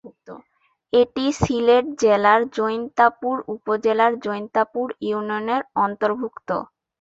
এটি সিলেট জেলার জৈন্তাপুর উপজেলার জৈন্তাপুর ইউনিয়নের অন্তর্ভুক্ত।